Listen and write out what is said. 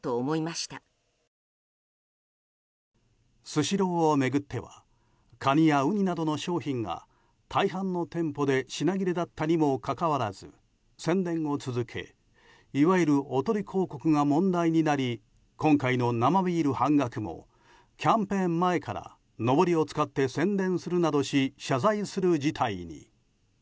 スシローを巡ってはカニやウニなどの商品が大半の店舗で品切れだったにもかかわらず宣伝を続けいわゆるおとり広告が問題になり今回の生ビール半額もキャンペーン前からのぼりを使って宣伝するなどし謝罪する事態に。